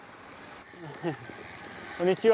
こんにちは！